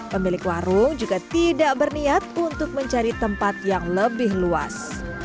pemilik warung juga tidak berniat untuk mencari tempat yang lebih luas